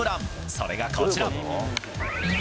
それが、こちら。